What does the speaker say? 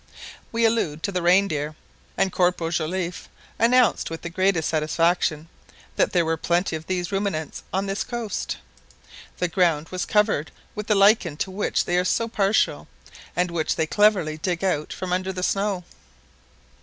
We allude to the reindeer; and Corporal Joliffe announced with the greatest satisfaction that there were plenty of these ruminants on this coast. The ground was covered with the lichen to which they are so partial, and which they cleverly dig out from under the snow.